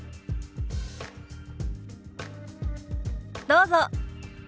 どうぞ。